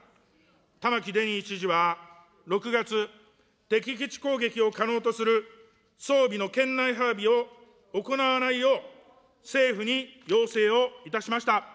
玉城デニー知事は６月、敵基地攻撃を可能とする装備の県内配備を行わないよう、政府に要請をいたしました。